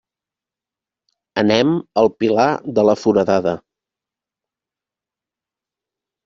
Anem al Pilar de la Foradada.